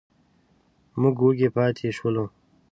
موږ وږي پاتې شولو.